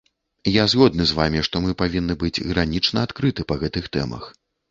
Я згодны з вамі, што мы павінны быць гранічна адкрыты па гэтых тэмах.